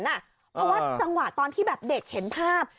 เพราะว่าจังหวะตอนที่แบบเด็กเห็นภาพ